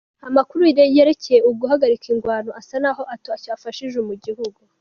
Amakuru yerekeye uguhagarika ingwano asa naho ataco yafashije mu gihugu.